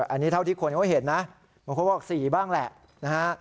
อันนี้เท่าที่คุณก็เห็นนะมันคือว่า๔บ้างแหละ